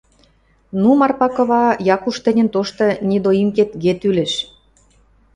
— Ну, Марпа кыва, Якуш тӹньӹн тошты недоимкетге тӱлӹш.